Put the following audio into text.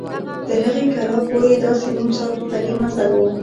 تر هغې کلا پورې داسې نیم ساعت پلي مزل و.